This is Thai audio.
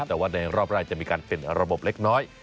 แต่ว่าในรอบร้ายจะมีการเป็นระบบเล็กน้อย